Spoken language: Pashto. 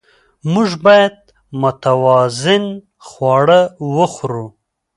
موږ باید متوازن خواړه وخورو